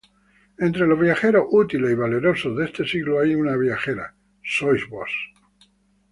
Entre los viajeros útiles y valerosos de este siglo hay una viajera: sois vos.